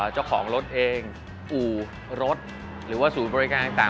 เจ้าของรถเองอู่รถหรือว่าศูนย์บริการต่าง